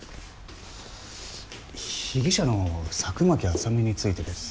被疑者の佐久巻麻美についてです。